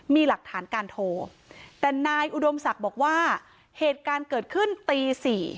มีหลักฐานการโทรแต่นายอุดมศักดิ์บอกว่าเหตุการณ์เกิดขึ้นตี๔